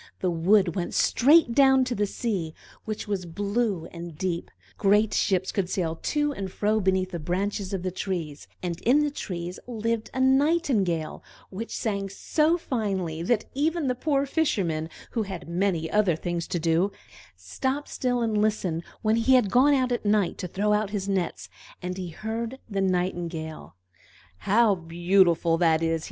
The wood went straight down to the sea, which was blue and deep; great ships could sail to and fro beneath the branches of the trees; and in the trees lived a Nightingale, which sang so finely that even the poor Fisherman, who had many other things to do, stopped still and listened, when he had gone out at night to throw out his nets, and heard the Nightingale. "How beautiful that is!"